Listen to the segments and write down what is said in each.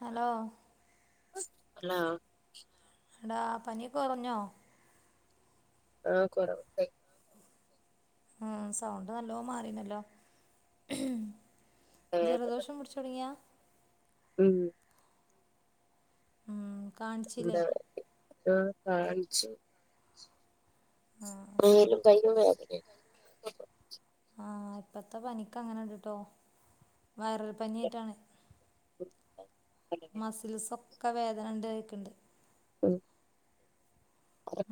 Hello hello എടാ പനിക്കെ കോർഞ്ഞോ? ആഹ് കോറവ്ണ്ട് ആഹ് സൗണ്ട് നല്ലോം മാറിണല്ലോ വേദന ജലദോഷം പുടിച്ച് തോടങ്ങിയാ ഉം കാണിച്ചില്ലേ എന്താ ആഹ് കാൺച്ചു. ആഹ് മേലും കയ്യിലും വേദനെണ് ആഹ് ഇപ്പത്തെ പനിക്ക് അങ്ങനെ ഇണ്ട് ട്ടോ വൈറൽ പനി ആയിട്ടാണ് [unintelligible] മസിൽസൊക്കെ വേദനണ്ട് കേക്ക്ണ്ട് ഉം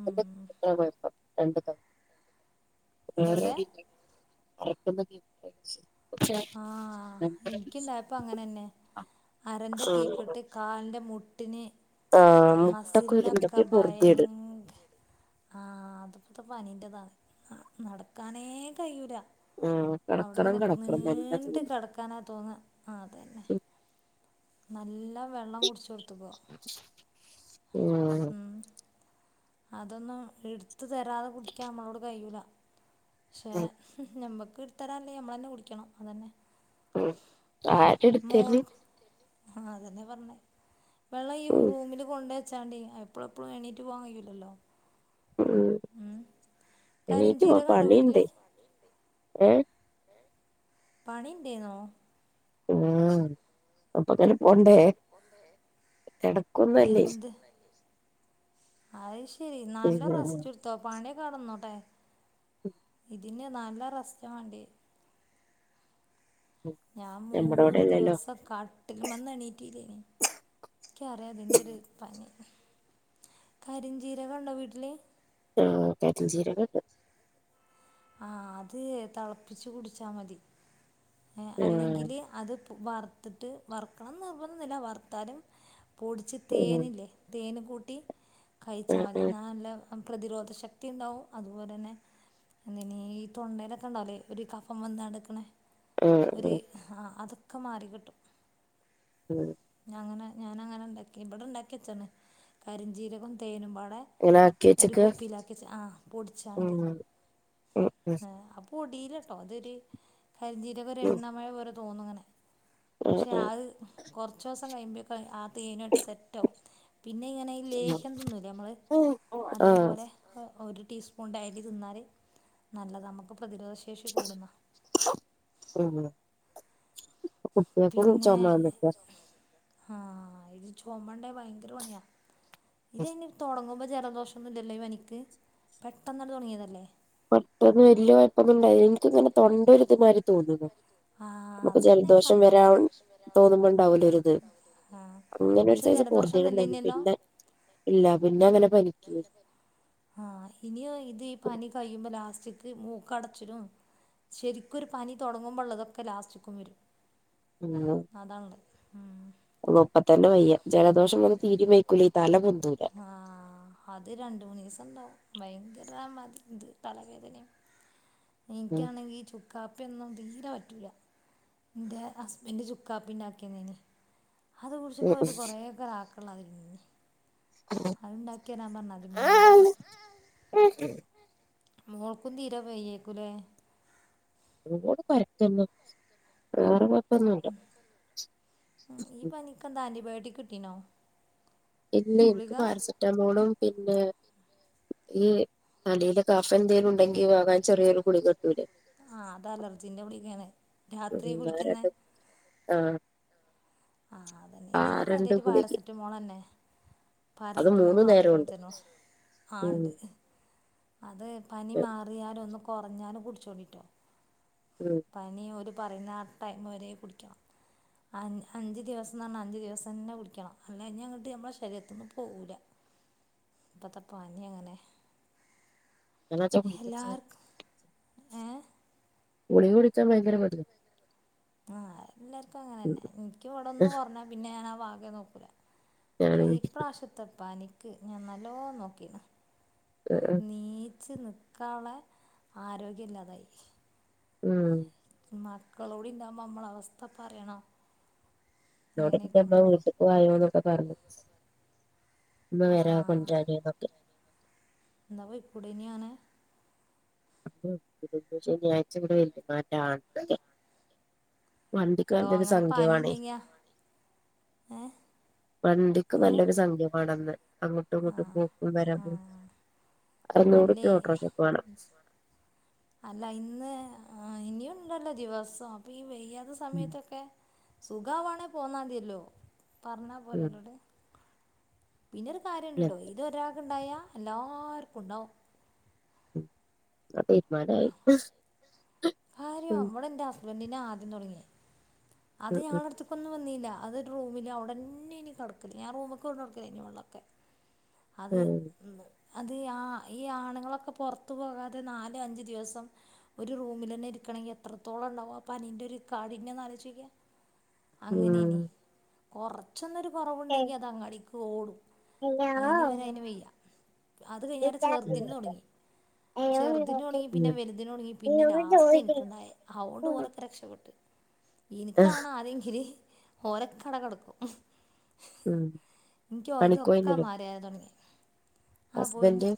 ഉം, [unintelligible] പക്ഷെ ആഹ് ഇൻക്ക് ഇണ്ടായപ്പൊ അങ്ങനെന്നെ അരന്റെ കീപ്പെട്ട് കാലിന്റെ മുട്ടിന് ആഹ് മുട്ടക്കുരു മസിൽനൊക്കെ എന്തൊക്കെ പൊറുതിയേട് ബയങ്ക ആഹ് അതിപ്പത്തെ പനിന്റെതാണ് നട്ക്കാനേ കഴൂല ആഹ് ഔടെ കടക്കണം ഇങ്ങനെ കടക്കണം നല്ല നീണ്ട് തോന്നുന്നു കെട്ക്കാനാ തോന്നാ ആഹ് അതന്നെ ഉം നല്ലം വെള്ളം കുടിച്ച് കൊട്ത്ത്ക്കോ മ് അതൊന്നും ഇട്ത്ത് തരാതെ കുടിക്കാം നമ്മളോട് കഴൂല ക്ഷെ ഉം ഞമ്മക്ക് ഇട്ത്തരാല്ലേ ഞമ്മളന്നെ കുടിക്കണം അതന്നെ ഉം ആര്ട്ത്തെര് ആഹ് അതെന്നെ പർഞ്ഞേ വെള്ളം ഈ ഉം റൂമില് കൊണ്ടെച്ചാണ്ടെ പ്പളും എപ്പളും എണീറ്റ് പോകാൻ കഴുല്ലല്ലോ ഉം എണീറ്റ് പോകാൻ കരിഞ്ചീരകം ഉണ്ടോ പണിണ്ട് വീട്ടില് ഏഹ് പണിണ്ട് ന്നോ? ഉം അപ്പൊങ്ങനെ പോണ്ടെ കട് എന്ത്? അത്ശരി ഉം നല്ല ആഹ് റസ്റ്റ് എടുത്തോ പണിക്കെടന്നോട്ടെ ഉം ഇതിന് നല്ല റസ്റ്റ് വേണ്ടിയെ ഉം ഞാൻ മൂന്ന് ദിവസം ക- വീട്ടിലും വന്ന് എണീട്ടില്ലെനി എനിക്കറിയാം അതിന്റെ ഒരു പനി കരിംജീരകം ഒണ്ടോ വീട്ടില് ആഹ് കരിംജീരകയുണ്ട് ആഹ് അത് തെളപ്പിച്ച് കുടിച്ചാ മതി ആഹ് അല്ലെങ്കില് അത്- വറുത്തിട്ട് വറുക്കണന്ന് നിർബന്ധയൊന്നുയില്ല വറുത്താലും പൊടിച്ച് ഉം തേനില്ലേ- തേനും കൂട്ടി കഴിച്ചാൽ ഉം മതി ഉം നല്ല പ്രതിരോധ ശക്തി ഇണ്ടാവും അതുപോലെ തന്നെ- അങ്ങനെ ഈ തൊണ്ടയിലൊക്കെ ഒണ്ടാവല്ലേ ഒരു കഫം വന്ന് കെടക്കണേ ആഹ് ഒരു ഉം ആഹ് അതൊക്കെ മാറി കിട്ടും ഉം ഞാൻ അങ്ങനെ ഞാനങ്ങനെ ഒണ്ടാക്കി ഇവിടെ ഒണ്ടാക്കി വെച്ചാണ് കരിഞ്ചീരകവും തേനും പാടെ- അങ്ങനെ ആക്കി ഒരു വെച്ചക്ക കുപ്പിയിലാക്കി ആഹ് പൊടിച്ചാണ്ട് ഉം ഉം ഉം പൊടിലട്ടോ അതൊരു കരിജീരകം ഒരു ഉം എണ്ണമഴ പോലെ തോനും അങ്ങനെ പക്ഷെ അത് കൊറച്ച് ദെവസം കഴിയുമ്പോഴെക്ക് ആ തേനുവായിട്ട് സെറ്റ് ആകും പിന്നെ ഇങ്ങനെ ലേഹ്യം തിന്നുല്ലേ നമ്മള് ആഹ് ആഹ് അതേപോലെ- ഒരു ടീസ്പൂൺ ടെയലി തിന്നാല് നല്ലതാ നമുക്ക് പ്രതിരോധ ശേഷി കൂടുന്ന ഉം ഇപ്പൊ കുട്ടികൾക്കും ചൊമ വന്നെക്കാ ആഹ് ഇത് ചൊമയുണ്ടേ ഭയങ്കര പണിയാ ഇത് എങ്ങനെ - തൊടങ്ങുമ്പോൾ ജലദോഷയൊന്നും ഇല്ലല്ലോ ഈ പനിക്ക് പെട്ടെന്ന് അങ്ങോട്ട് തൊടങ്ങിയതല്ലേ പെട്ടന്ന് വലിയ കൊഴപ്പൊന്നും ഉണ്ടായില്ല എനിക്കിങ്ങനെ തൊണ്ട ഒരു മാതിരി തോന്നുന്നു ആഹ് നമുക്ക് അത് തന്നെ ജലദോഷം സംഭവം വരാൻ തോന്നുമ്പോ ഉണ്ടാവൂലോ ഒരിത് ആഹ് അങ്ങനെ ഒരു പക്ഷെ സൈസ് ജലദോഷ പൊറുതിയേട് ഒന്നും ഉണ്ടായിരുന്നു ഇല്ലനെ ല്ലോ പിന്നെ ഇല്ല പിന്നെ അങ്ങനെ പനിക്ക്- ആഹ് ഇനി ഇത് ഈ പനി കഴിയുമ്പോ ലാസ്റ്റക്ക് മൂക്കടച്ചിടും- ശരിക്കോരു പനി തൊടങ്ങുമ്പോ ഉള്ളതൊക്കെ ലാസ്റ്റിക്കു വരും ഉം അതണ് ഉം ഉം ഇപ്പ തന്നെ വയ്യ ജലദോഷം ഇങ്ങനെ തീരി വയ്ക്കൂല തല പൊന്തൂല ആഹ് അത് രണ്ട് മൂന്ന് ദെവസം ഒണ്ടാവും ഭയങ്കരമാ ഇത് തലവേദനയും ഉം എനിക്കാനെങ്കി ഈ ചുക്കാപ്പിയൊന്നും തീരെ പറ്റുല എന്റെ ഹസ്ബൻഡ് ചുക്കാപ്പി ഉണ്ടാക്കിയന് അത് കുടി കുടിച്ചപ്പോൾ കൊറേ ആക്കല്ലപോലെ [inaudible] അത് ഇണ്ടാക്കി വരാൻ പറഞ്ഞു അതി ഉമ്മനോട് [inaudible] മോൾകും തീരെ വയ്യാരിക്കുയില്ലേ അതൂടെ പരക്കുന്നു വേറെ കൊഴപ്പ ന്നുല്ല നിനക്ക് എന്താ ആന്റ്റിബയോട്ടിക് കിട്ടിണോ ഇല്ല എനിക്ക് പാരസെറ്റാമോളും പിന്നെ ഈ കടെലെ - കഫന്തേലും ഉണ്ടെങ്കി വളരെ ചെറിയൊരു ഗുളിക കിട്ടൂലെ ആഹ് അത് അലർജീന്റെ ഗുളികായാണ് ഉം ആരക്കെ [unintelligible] ആഹ് ആഹ് അത് തന്നെ ഇതിന് കാര്യയിട്ട് പാരസെറ്റാമോള് തന്നെ അത് പാരസെറ്റാമോള് മൂന്നു മാത്രേ നേരമുണ്ട് തന്നു ആഹ് ഉം ഇണ്ട് അത് പനി മാറിയാലും ഒന്ന് കൊറഞ്ഞാലും കുടിച്ചോടിട്ടോ ഉം പനി ഒര് പറയുന്ന ആ ടൈമ വരെ കുടിക്കണം അ അഞ്ച് ദിവസം പറഞ്ഞാൽഅഞ്ച് ദിവസം തന്നെ കുടിക്കണം അല്ലഞ്ഞാ അങ്ങോട്ട് നമ്മുടെ ശരീരത്തിന്നും പോകൂല്ല ഇപ്പത്തെ പനി അങ്ങനെ അല്ലാച്ച ഗുളിക ഹലാർക്ക് ഏ ഗുളിക കുടിച്ചാൻ ഭയങ്കര മടി ആ എല്ലാർക്കും അങ്ങനെ തന്നെ എനിക്കും ഇവിടൊന്ന് കൊറഞ്ഞ പിന്നെ ഞാനാ ആ ഭാകെ നോക്ക ഞാൻ പക്ഷെ ഉം ഇപ്രാവശ്യത്തപ്പനിക്ക് ഞാൻ നല്ലോ നോക്കീൻ നീ ച്ച് നിൽക്കള്ളെ ആരോഗ്യം ഇല്ലാതായി ഉം മക്കളൂടി ഇണ്ടാവുമ്പോ നമ്മള അവസ്ഥ പറയണോ എന്നോട് ന്റെ ഇമ്മ എങ്ങനെയൊക്കെയെന്ന് വീട്ടക്ക് വായോന്നൊക്കെ പറഞ്ഞു ഇമ്മ ആ വേരാ കൊണ്ടരാന് ന്നൊക്കെ ന്നാ പൊയ്ക്കൂടെന്യോ അങ്ങനെ ശനിയാഴ്ച ഇവിടെ വെല്ലിമാന്റെ ആണ്ടൊക്കെ വണ്ടിക് എടോ നല്ലൊരു അങ്ങനെ പനി സംഖ്യമാണേ ഉണ്ടെങ്കിൽ ഏ വണ്ടിക്ക് എങ്ങനെ നല്ലൊരു സംഖ്യമാണെന്ന് അങ്ങോട്ടും ആ ഇങ്ങോട്ടും പോക്കും ആ വരവും അല്ലേ അറന്നൂറുപ്യ ഓട്ടോറിക്ഷക്ക് വാണം അല്ല ഇന്ന് ആ ഇനിയുണ്ടല്ലോ ദിവസം അപ്പൊ ഈ വെയ്യാത്ത ഉം സമയത്തൊക്കെ സുഖമാവാണെ പോന്നാതിയല്ലോ പറഞ്ഞാൽ ഉം പോരോലോട് പിന്നെരു കാര്യംണ്ട്ട്ടോ ഇത് ഒരാൾക്ക് ണ്ടായൽ എല്ലാവർക്കും ഉണ്ടാവും ആ തീരുമാനമായി കാര്യോ ഇവടെ എന്റെ ഹസ്ബന്റിന ആദ്യം തുടങ്ങിയ അത് ഉം ഞള ഉം അടുത്ത് കൊന്നും വന്നില്ല അതൊ റൂമില് അടന്നെനി കിടക്കല് ഞൻ റൂമ്ക്ക് കൊണ്ട് കൊടുക്കലേനി വെള്ളൊക്കെ അത് എ അത് ആ ഈ ആണുങ്ങളൊക്കെ പുറത്തു പോകാതെ നാല അഞ്ചു ദിവസം ഒരു റൂമിൽ തന്നെ ഇരിക്കണെങ്കിൽ എത്രത്തോളം ഉണ്ടാവും ആ പനിന്റെ ഒരു കാഠിന്യം എന്നലോജിച് ഉം അങ്ങനെയനി ഉം കൊറച്ചൊന്നരു കുറവുണ്ടെങ്കി അത് അങ്ങടിക്കും ഓടും അയിന് വരെ അതിന്ന് വെയ്യ അത് കഴിഞ്ഞേര ചെറുതിന്ന് തുടങ്ങി ചെറുതിനോടങ്ങി പിന്നെ വലുതിനോടുങ്ങി പിന്നെ ലാസ്റ്റ് എനക്ക്ണ്ടായി അതൊണ്ട് ഓലെക്കെ രക്ഷപ്പെട്ട് ആഹ് ഇനിക്കണ ആദ്യങ്കില് ഓരക്കട കെടക്കും ഉം ഇനികി ഓല്തൊക്കെ പണിക്കോയിന്നില്ലേ മാറിയാറെ തുടങ്ങി ആഹ പോയിന് ഹസ്ബൻഡ്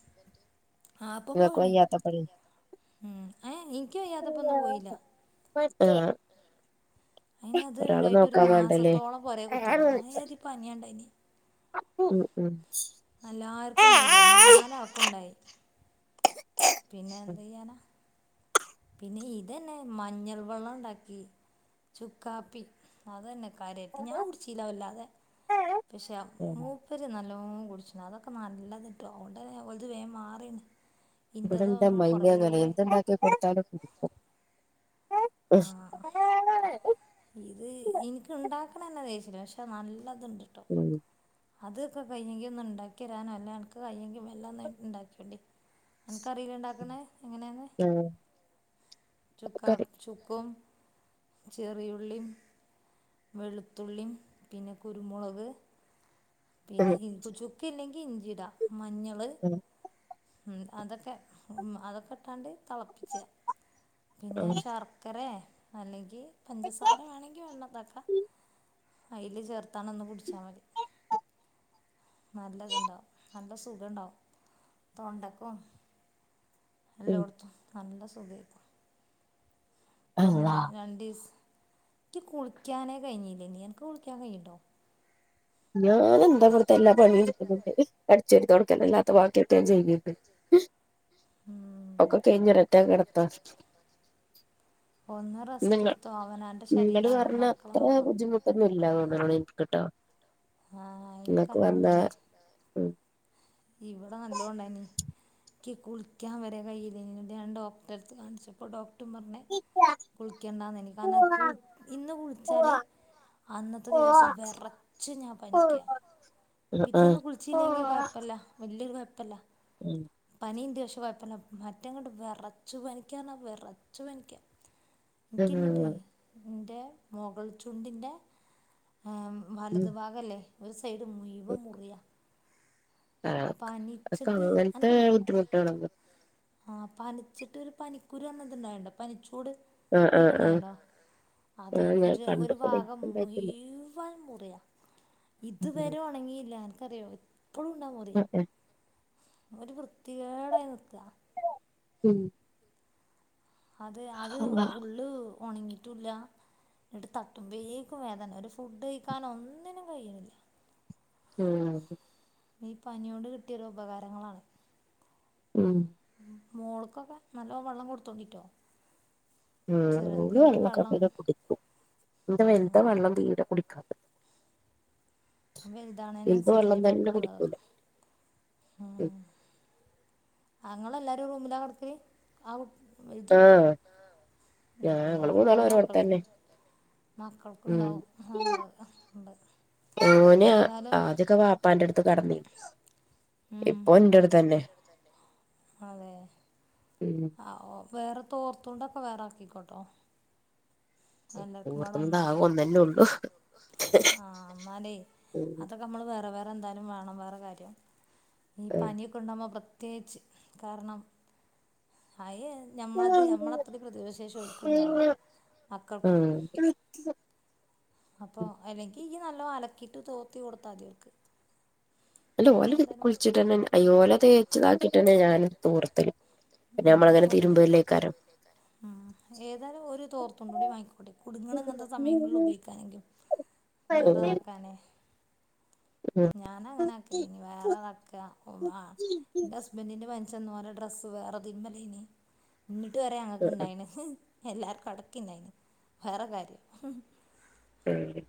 ആഹ അപ്പ ഇങ്ങക്ക് പോയിന് വയ്യാത്തപ്പഴേ ഉ അ എനിക്കും വയ്യതപ്പ ഒന്നും പോയില്ല [unintelligible] അതിന് അത് ഒരാള് ഉണ്ടായിട്ട് ഒരു നോക്കാ വേണ്ടല്ലേ മാസത്തോളം പൊരേ കുത്തിയതാണ് ആയാതി പനിയുണ്ടായിന് ഉ ഉം എല്ലാർക്കും ഉണ്ടായില്ലേ നാല ആൾക്കുണ്ടായി പിന്നെ എന്ത് ചെയ്യാനാ പിന്നെ ഇതന്നെ മഞ്ഞൾ വെള്ളം ഉണ്ടാക്കി ചുക്കാപ്പി അതന്നെ കാര്യയിട്ട് ഞാൻ കുടിച്ചല്ല വല്ലാതെ ഉം പക്ഷെ ഉം മൂ പ്പര് നല്ലോ കുടിച്ചീണ് അതൊക്കെ നല്ലതിട്ടോ അതുകൊണ്ട് തന്നെ ഓൽത് വേഗൻ മാറീണ് ഇവിടെന്റെ അമ്മായിമ്മ അങ്ങനെ എന്തുണ്ടാക്കി കൊടുത്താലും കു ആഹ് ഇത് ഇനിക്ക് ഇണ്ടാക്കണെന്നെ ദേഷ്യല്ല പക്ഷെ നല്ലത്ണ്ട്ട്ടോ ഉം അതൊക്കെ കഴിഞ്ഞെങ്കിൽ ഒന്നും ഉണ്ടാക്കിരാന അല്ലേ അനക്ക് കയിഞ്ഞെങ്കിൽ മെല്ലെ ഒന്ന് ഉണ്ടാക്കിയോണ്ടി അനക്ക്റീലെ ഇണ്ടാക്കണ എങ്ങനെയന്ന് ഉം കറി ചുക്കപ് ചുക്കും ചെറിയ ഉ ഉള്ളിയിം വെളുത്തുള്ളീം പിന്നെ കുരുമുളക് ഉം പിന്നെ ഇൻക്ക് ചുക്ക ഇല്ലെങ്കി ഇഞ്ചിടാ മഞ്ഞള് ഉം ഉം അതൊക്കെ അതൊക്കെ ഇട്ടാണ്ട് തളപ്പിച്ച്യാ പിന്നെ ഉം ശർക്കരെ അല്ലെങ്കി പഞ്ചസാ അയില് ചേർത്താണ് ഒന്ന് പുട്ച്ചാ മതി നല്ലത്ണ്ടാവും നല്ല സുഖം ഇണ്ടാവും. തൊണ്ടക്കും ഉം എല്ലോട്ത്തും നല്ല സുഖേ ക്കും. പിന്നെ അള്ളാ രണ്ടീസ് ഇയ്ക്ക് കുളിക്കാനേ കഴിഞ്ഞില്ലേനീ അനക്ക് കുളിക്കാൻ കഴിയുണ്ടോ ഞാനെന്താ ഇവട്ത്തെ എല്ലാ പണി ഇട്ക്ക്ണ് ഇണ്ട്. അടിച്ചാരി തൊട്ക്കല് അല്ലാത്ത വാക്ക്യക്കെ ഞാൻ ചെയ്യ്ണ്ട്. ഒക്കെ കഴിഞ്ഞ് ഒരറ്റാ കെടത്ത. ഒന്ന് റെസ്റ്റ് നിങ്ങ എടുത്തോ അവനവൻ്റെ നിങ്ങൾ ശരീരമാണ് പർഞ്ഞ മക്കളെ അത്ര നോക്കണം ബുദ്ധിമുട്ട ഒന്നും ഇല്ല തോന്ന്ണ് ഇൻക്ക്ട്ടൊ. ആഹ് ഇൻക്കല്ലോ ഇണ്ടായിനി. ഉം ഇവടെ നല്ലോണ്ടായ്നി ക്ക് കുളിക്കാൻ വരെ കയ്യില്ലേ നി. ഇന്നട്ട് ഡോക്ടര് ത്ത് കാണിച്ചപ്പോ ഡോക്റ്റും പറഞ്ഞ്. ആഹ് കുളിക്കണ്ടാന്നേയ്നി കാരണം കു ഇന്ന് കുള്ച്ചാല്. അന്നത്തെ ദിവസം വെറച്ച് ഞാൻ പനിക്ക. പിറ്റേന്ന് കുളിച്ചില്ലെങ്കി കൊയ്പ്പ വല്ല്യരു കെഴ്പ്പല്ല ഉം നീണ്ട് പക്ഷെ കുഴപ്പല്ല മറ്റെങ്ങട്ട് വെറച്ച് പനിക്കാർഞ്ഞ വെറച്ച് പനിക്ക. ഉം ക്കിന്നട്ടെ ഇൻ്റെ മൊകൾ ചുണ്ടിൻ്റെ ഉം വലതു ഭാഗല്ലേ ഒരു സൈഡ് മുഴുവൻ മുറിയ അതൊക്കെ പനിച്ചിട്ട് അങ്ങനത്തെ അൻക്ക് ബുദ്ധിമുട്ടുകളൊന്നും ആഹ് പനിച്ചിട്ട് ഒരു പനിക്കുരു പർന ത്ണ്ടാവണ്ടോ പനിച്ചൂട് ആഹ് ആഹ് അൻക്ക് ആഹ് ഇണ്ടാവേണ്ടൊ അത് ആഹ് ഞാൻ ഒരു ഒരു കണ്ട്ക്ക്ണ് ഭാഗം മുയ്. ഇൻക്ക്ണ്ടായിട്ടില്ല വൻ മുറിയ ഇത് ഉം വരെ ഒണങ്ങീല്ല. അൻക്കറ്യാെ ഇപ്പളും ഉണ്ടാ മുറി. [inaudible] ഒരു വൃത്തികേടായി നിക്ക ഉം അത് അത് ഉള്ള് ഒണ്ങ്ങിട്ടൂല്ല ഇന്നട്ട് തട്ടും ബേക്കും വേദന ഒരു ഫുഡ് കഴിക്കാനൊ ഒന്നിനും കയ്യിണ്ല്ല. ഉം ഈ പനി യോണ്ട് കിട്ടിയൊരു ഉപകാരങ്ങളാണ്. ഉം മോൾക്കൊക്കെ നല്ലോ വെള്ളം കൊടുത്തോണ്ടിട്ടോ. ഉം ത് ചെറുതെങ്കിൽ വെള്ളൊക്കെ വെള്ളം [unintelligible] കുടിക്കും ഇന്റെ വൽ താ വെള്ളം തീരെ കുടിക്കാ വെൽതാണൈനൻ വലുത് വെള്ളം സര്ച്ചന്നെ തന്നെ മക്കൾ താവ കുടിക്കൂല ഉം അ ഇങ്ങളല്ലാരു ഒര് റൂമിലാ കട്ക്കല് ആ വൽതു ആഹ് ഞാൻ ഇൻ്റെമ്മേ ഞങ്ങള് ആ മ മൂന്നാളും മക്കളൊന്ന് ഒരോട്ത്തന്നെ മക്കൾക്കുണ്ടാവും അണ്ടാവ [unintelligible] ഉണ്ട് ഓൻ ഏതായാലും ആദ്യൊക്കെ വാപ്പാന്റെടുത്ത് കട്ന്നിനി. ഇപ്പൊ ഇൻ്റെടുത്തെന്നെ അതെ ഉം ആ ഓ വേറെ തോർത്തുണ്ടൊക്കെ വേറെ ആക്കിക്കോട്ടോ. എല്ലാക്കും വാടെ ഓർത്തുമ്പോ ആകെ ഒന്നാക്കണ്ട ഒന്നന്നെ ഉള്ളൂ ആഹ് ഇന്നാലേ അതൊക്. നമ്മൾ വേറെ വേറെ എന്തായാലും വേണം വേറെ കാര്യം. ഈ പന്യാെക്കെ ഇണ്ടാവുംമ്പം പ്രത്യേയിച്ച്. കാർണം ഹയേ ഞമ്മളത് ഞമ്മളത്രിം പ്രതിരോധ ശേഷി ഓൽക്ക് ഇണ്ടാവൂല. ഉം അപ്പൊ അല്ലെങ്കി ഇയ്യ് നല്ലോ അലക്കിട്ട് തോത്തി കൊടുത്താതി ഓൽക്ക്. അല്ല ഓല് കുളിച്ചിട്ടെന്നെ. ഓലെ തേച്ച്താക്കിട്ടെന്നെ ഞാനു തോർത്തല്. ഉം, പിന്നെമ്മളങ്ങനെ ഒരു തിരുമ്പലേക്കാരം. ഏതായാലും ഒരു തോർത്തുണ്ട് കൂടി വാങ്ങിക്കൂടി. കുടുങ്ങ്ണ അങ്ങൻത്തെ സമയങ്ങളിൽ ഉപയോഗിക്ക. വേറെ നോക്കാനേ ഞാനങ്ങനെ ആക്കല ഇ വേറെ ഇതക്കെ ഇന്റെ ഹസ്ബൻ്റിന്റെ മന ച്ചെന്ന് വേറെ ഡ്രസ്സ് വേറെതിന്മലേനി ഇങ്ങിട്ട് പറയും അങ്ങക്ക് ഇണ്ടായിന് എല്ലാർക്കും അടക്കില്ലായിന് വേറെ കാര്യം ശരി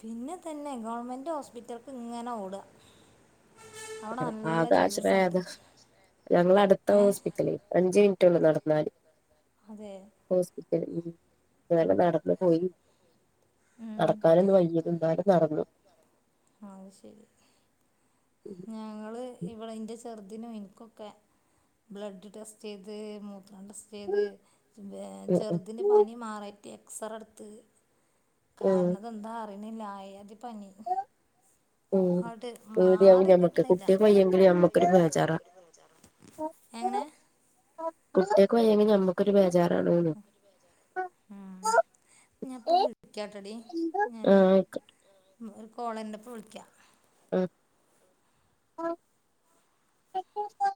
പിന്നെ തന്നെ ഗവൺമെന്റ് ഹോസ്പിറ്റല്ക്ക് ഇങ്ങനെ ഓടുക അവിടെ നല്ല ചികിത്സ ഉണ്ട് [unintelligible] ഞങ്ങള അടുത്ത ഏ ഹോസ്പിറ്റല് അഞ്ചു മിനിറ്റുള്ളൂ നടന്നാല് അതെ ഹോസ്പിറ്റലി [unintelligible] നടന്നു പോയി നടക്കാനന്ന് വയ്യതും എന്നാലും നടന്നു ആഹ് അത് ശരിയാ ഞങ്ങള് ഇവളെ ഇൻ്റെ ചെറുതിനും എനിക്കൊക്കെ ബ്ലഡ് ടെസ്റ്റ് ചെയ്ത് മൂത്രം ടെ റ്റേത് ചെറുതിന് പനി മാറിയിട്ട് എക്സ്റ എടുത്ത് ഉം കാരണം ഇതെന്താ അറിയണില്ല അയ അതി പനി ഉം അങ്ങട് മാറി പേടിയാവും ഞമ്മക്ക് കുട്ടിയക്ക് വയ്യെങ്കില് ഞമ്മക്കൊരു ബേജാറാ [unintelligible] എങ്ങനെ കുട്ടിയക്ക് വയെങ്കി നമ്മക്കൊരു ബേജാറാണന്ന് ഉം ഞാപ്പ വിളിക്കാട്ടടി ഞാനേ ആഹ് ആയിക്കോട്ടെ ഒരു കോളരുണ്ട് ഇപ്പോ വിളിക്കാം ആഹ് ആഹ്